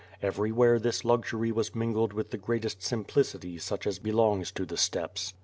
Everywhere this luxury was mingled with the greatest simplicity such as belongs to the steppes.